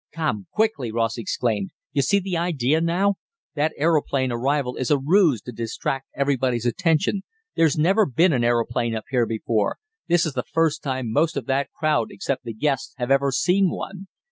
"Come quickly!" Ross exclaimed. "You see the idea now? That aeroplane arrival is a ruse to distract everybody's attention. There's never been an aeroplane up here before. This is the first time most of that crowd, except the guests, have ever seen one.